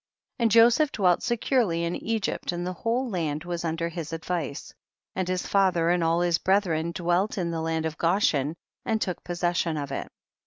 34. And Joseph dwelt securely in Egypt, and the whole land was un der his advice, and his father and all his brethren dwelt in the land of Goshen and took possession of it.